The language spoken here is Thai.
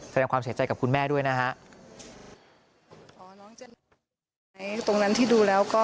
แสดงความเสียใจกับคุณแม่ด้วยนะฮะ